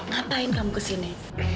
ngapain kamu kesini